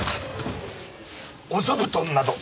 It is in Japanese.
お座布団など。